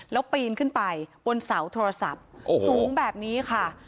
แล้วปีนขึ้นไปบนเสาโทรศัพท์สูงแบบนี้ค่ะ